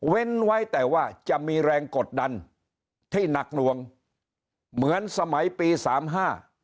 ไว้แต่ว่าจะมีแรงกดดันที่หนักหน่วงเหมือนสมัยปีสามห้า